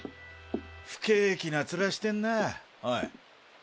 不景気な面してんなおい。